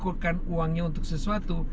saya merisikokan uangnya untuk sesuatu